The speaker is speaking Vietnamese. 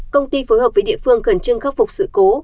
công ty phối hợp với địa phương khẩn trương khắc phục sự cố